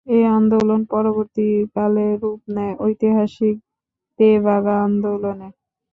এ আন্দোলন পরবর্তীকালে রূপ নেয় ঐতিহাসিক তেভাগা আন্দোলনে।